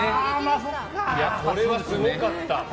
これはすごかった。